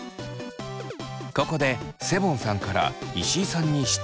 ここでセボンさんから石井さんに質問が。